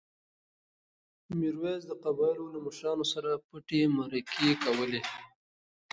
میرویس د قبایلو له مشرانو سره پټې مرکې کولې.